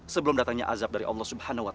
sebelum datangnya azab dari allah swt